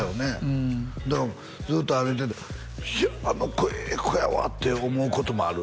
うんずっと歩いててあの子ええ子やわって思うこともある？